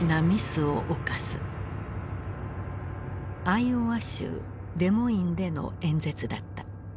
アイオワ州デモインでの演説だった。